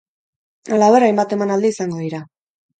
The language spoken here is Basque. Halaber, hainbat emanaldi izango dira.